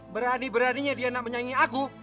berani beraninya dia menyaingi aku